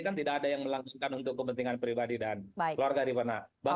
kan tidak ada yang melakukan untuk kepentingan pribadi dan baik keluarga pribadi dan keluarga